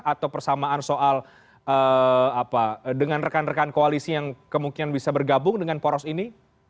atau persamaan soal dengan rekan rekan koalisi yang kemungkinan bisa bergabung dengan poros ini